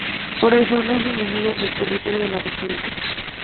Por eso, no es bienvenido en el territorio de la República".